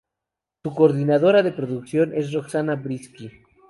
Su coordinadora de producción es Roxana Briski.